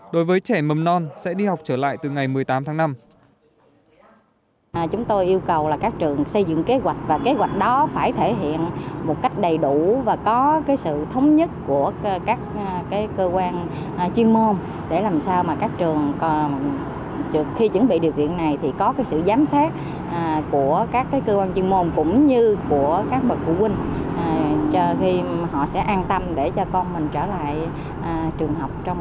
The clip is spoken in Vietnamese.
đối với trẻ mầm non sẽ đi học trở lại từ ngày một mươi tám tháng năm